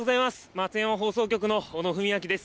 松山放送局の小野文明です。